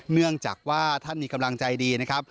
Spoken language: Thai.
เนื่องจากว่าท่านมีกำลังใจดีนะครับ